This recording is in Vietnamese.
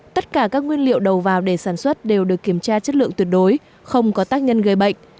tất cả các nguyên liệu đầu vào để sản xuất đều được kiểm tra chất lượng tuyệt đối không có tác nhân gây bệnh